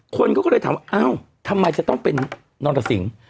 คนก็เลยถามว่าอ้าวทำไมจะต้องเป็นนรสิง